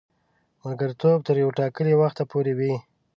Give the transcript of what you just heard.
ملګرتوب تر یوه ټاکلي وخته پوري وي.